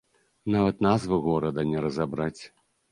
Нават назву горада не разабраць!